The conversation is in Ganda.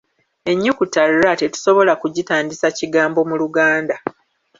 Ennyukuta r tetusobola kugitandisa kigambo mu Luganda.